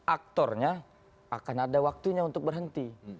aktornya akan ada waktunya untuk berhenti